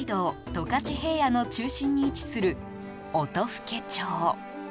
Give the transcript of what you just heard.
十勝平野の中心に位置する音更町。